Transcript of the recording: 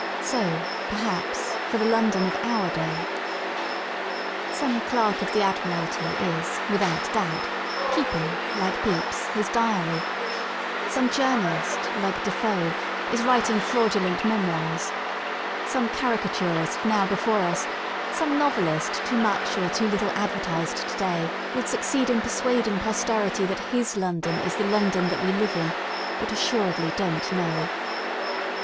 So, perhaps, for the London of our day. Some Clerk of the Admiralty is, without doubt, keeping, like Pepys, his diary; some journalist, like Defoe, is writing fraudulent memoirs; some carica turist now before uSi some novelist too much or too little advertised to day, will succeed in persuading 14 FROM A DISTANCE posterity that his London is the London that we live in but assuredly don*t know.